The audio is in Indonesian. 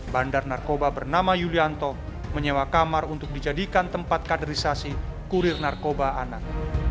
bandar narkoba bernama yulianto menyewa kamar untuk dijadikan tempat kaderisasi kurir narkoba anak